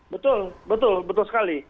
betul betul betul sekali